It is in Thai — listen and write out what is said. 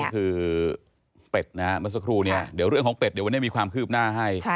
คือเป็ดนะฮะเมื่อสักครู่เนี่ยเดี๋ยวเรื่องของเป็ดเดี๋ยววันนี้มีความคืบหน้าให้